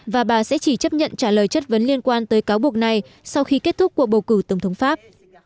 và bà sẽ chỉ chấp nhận trả lời chất vấn liên quan tới cáo buộc này sau khi kết thúc cuộc bầu cử tổng thống pháp